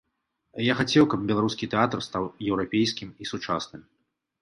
Я хацеў, каб беларускі тэатр стаў еўрапейскім і сучасным.